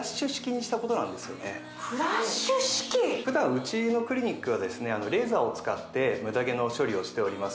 フラッシュ式普段うちのクリニックはレーザーを使ってムダ毛の処理をしております